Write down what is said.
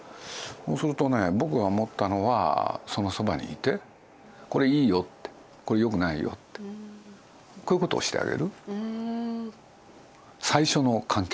そうするとね僕が思ったのはそのそばにいて「これいいよ」って「これよくないよ」ってこういう事をしてあげる。